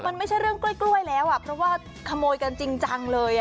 มันไม่ใช่เรื่องกล้วยแล้วอ่ะเพราะว่าขโมยกันจริงจังเลย